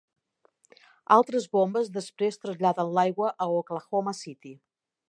Altres bombes després traslladen l'aigua a Oklahoma City.